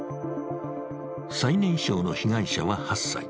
最年少の被害者は８歳。